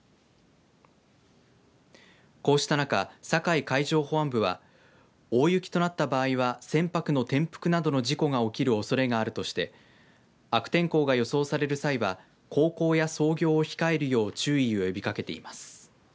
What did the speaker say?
こうした中、境海上保安部は大雪となった場合は船舶の転覆などの事故が起きるおそれがあるとして悪天候が予想される際は航行や操業を控えるよう注意を呼びかけています。